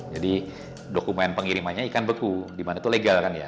jadi dokumen pengirimannya ikan beku di mana itu legal kan ya